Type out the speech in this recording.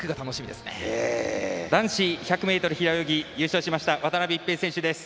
男子１００ｍ平泳ぎ優勝しました渡辺一平選手です。